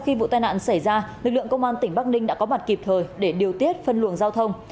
khi vụ tai nạn xảy ra lực lượng công an tỉnh bắc ninh đã có mặt kịp thời để điều tiết phân luồng giao thông